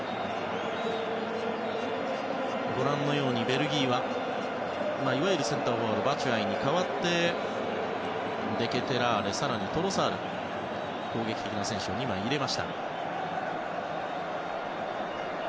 ベルギーはいわゆるセンターフォワードのバチュアイに代わってデケテラーレ更にトロサール攻撃的な選手を２枚入れました。